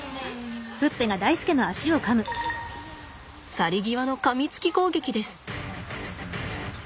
去り際のかみつき攻撃です。